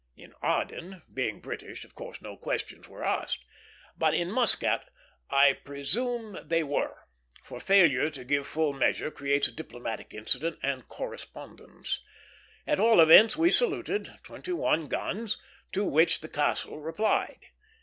In Aden, being British, of course no questions were asked; but in Muscat I presume they were, for failure to give full measure creates a diplomatic incident and correspondence. At all events, we saluted twenty one guns; to which the castle replied.